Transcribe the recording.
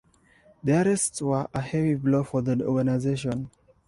The arrests were a heavy blow for the organization.